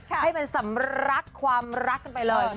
ให้เป็นสำรักความรักกันไปเลย